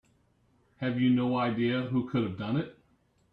Have you no idea who could have done it?